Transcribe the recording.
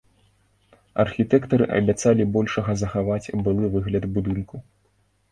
Архітэктары абяцалі большага захаваць былы выгляд будынку.